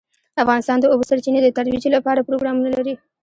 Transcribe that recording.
افغانستان د د اوبو سرچینې د ترویج لپاره پروګرامونه لري.